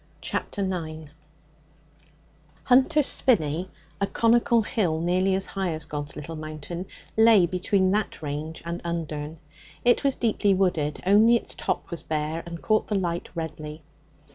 Chapter 9 Hunter's Spinney, a conical hill nearly as high as God's Little Mountain, lay between that range and Undern. It was deeply wooded; only its top was bare and caught the light redly.